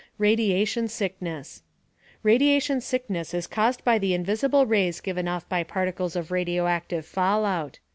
RADIATION SICKNESS Radiation sickness is caused by the invisible rays given off by particles of radioactive fallout.